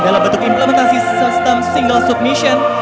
dalam bentuk implementasi sistem single submission